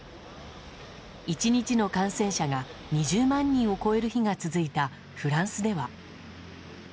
１日の感染者が２０万人を超える日が続いたフランスでは。